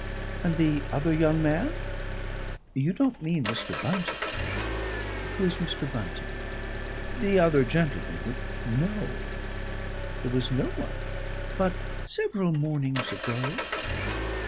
"And the other young man?" "You don't mean Mr. Bunting." "Who is Mr. Bunting?" "The other gentleman who " "No!" "There was no one " "But several mornings ago?"